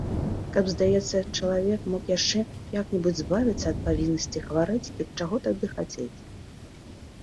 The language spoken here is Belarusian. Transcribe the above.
Каб, здаецца, чалавек мог яшчэ як-небудзь збавіцца ад павіннасці хварэць, дык чаго тады хацець.